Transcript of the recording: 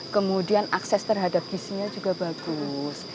kemudian akses terhadap gisinya juga bagus